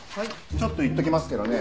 ちょっと言っときますけどね。